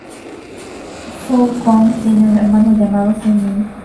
Fou Cong tiene un hermano llamado Fu Min.